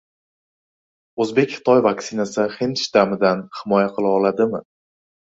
O‘zbek-Xitoy vaksinasi «hind shtammi»dan himoya qila oladimi?